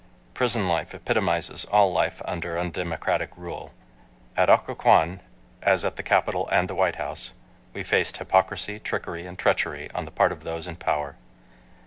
Prison life epitomizes all life under undemocratic rule. At Occoquan, as at the Capitol and the White House, we faced hypocrisy, trickery and treachery on the part of those in power.